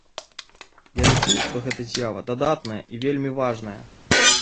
Я лічу, што гэта з'ява дадатная і вельмі важная.